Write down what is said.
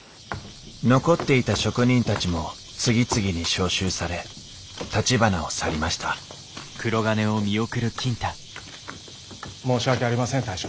残っていた職人たちも次々に召集されたちばなを去りました申し訳ありません大将。